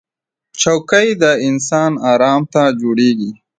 چوکۍ د انسان ارام ته جوړېږي